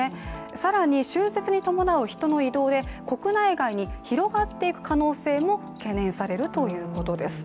更に春節に伴う人の移動で国内外に広がっていく可能性も懸念されるということです。